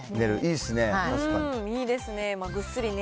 いいですね。